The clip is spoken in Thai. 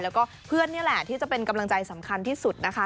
แล้วก็เพื่อนนี่แหละที่จะเป็นกำลังใจสำคัญที่สุดนะคะ